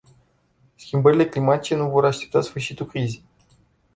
Schimbările climatice nu vor aștepta sfârșitul crizei.